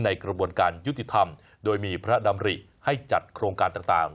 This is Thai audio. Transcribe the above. กระบวนการยุติธรรมโดยมีพระดำริให้จัดโครงการต่าง